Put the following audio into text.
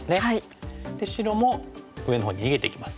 で白も上のほうに逃げていきます。